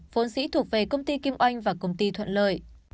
vốn dĩ thuộc về công ty kim oanh và công ty thuận lợi